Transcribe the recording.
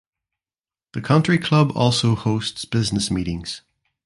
The country club also hosts business meetings.